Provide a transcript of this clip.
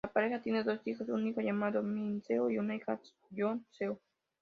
La pareja tiene dos hijos: un hijo llamado Min-seo y una hija, Yoon seo.